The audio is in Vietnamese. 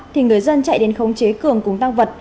thì người dân chạy đến khống chế cường cùng tăng vật